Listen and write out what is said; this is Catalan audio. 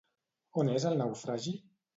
On és el naufragi?